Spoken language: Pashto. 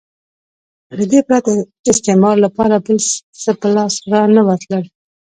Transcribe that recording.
له دې پرته استعمار لپاره بل څه په لاس نه ورتلل.